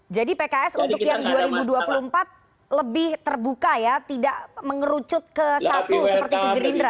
jadi pks untuk yang dua ribu dua puluh empat lebih terbuka ya tidak mengerucut ke satu seperti pks gerindra